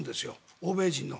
欧米人の。